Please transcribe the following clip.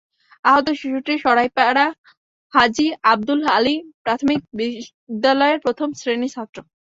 আহত শিশুটি সরাইপাড়া হাজি আবদুল আলী প্রাথমিক বিদ্যালয়ের প্রথম শ্রেণীর ছাত্র।